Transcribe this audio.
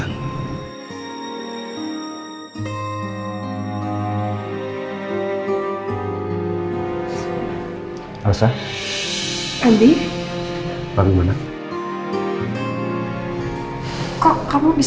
kalo ada russa pover